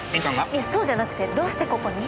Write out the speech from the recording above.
いえそうじゃなくてどうしてここに？